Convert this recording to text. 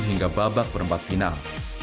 hingga babak perempat final